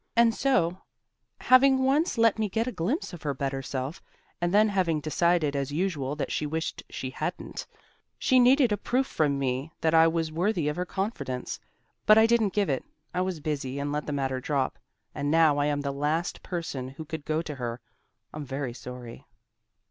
"And so, having once let me get a glimpse of her better self, and then having decided as usual that she wished she hadn't, she needed a proof from me that I was worthy of her confidence. But I didn't give it; I was busy and let the matter drop, and now I am the last person who could go to her. I'm very sorry."